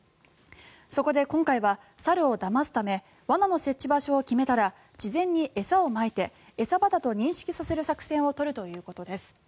そこで今回は、猿をだますため罠の設置場所を決めたら事前に餌をまいて餌場だと認識させる作戦を取るということです。